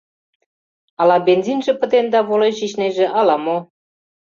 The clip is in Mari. Ала бензинже пытен да волен шичнеже, ала-мо.